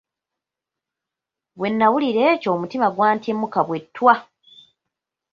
Bwe nawulira ekyo omutima gwantyemuka be ttwa.